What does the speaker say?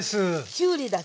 きゅうりだけです。